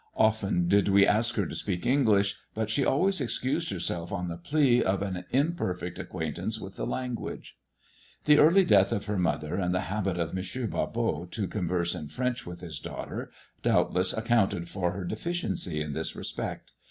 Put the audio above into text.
Often did we ask her to speak English ; but she always excused herself on the plea of an imperfect acquaintance with the language. The early death of her mother and the habit of M. Barbot to converse in French with his daughter, doubtless accounted for her deficiency in this respect.